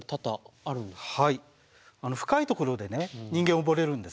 深いところで人間溺れるんですね。